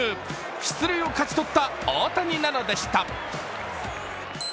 出塁を勝ち取った大谷なのでした。